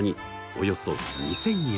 およそ２，０００円！